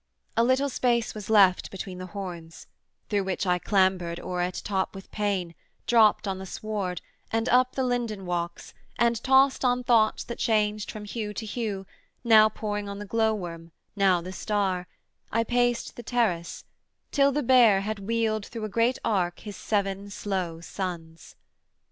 A little space was left between the horns, Through which I clambered o'er at top with pain, Dropt on the sward, and up the linden walks, And, tost on thoughts that changed from hue to hue, Now poring on the glowworm, now the star, I paced the terrace, till the Bear had wheeled Through a great arc his seven slow suns.